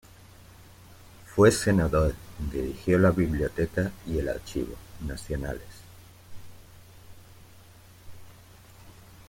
Fue Senador, dirigió la Biblioteca y el Archivo nacionales.